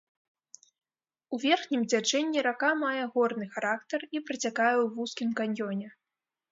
У верхнім цячэнні рака мае горны характар і працякае ў вузкім каньёне.